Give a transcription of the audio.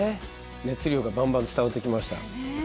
熱量がバンバン伝わってきました。